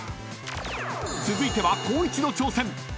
［続いては光一の挑戦］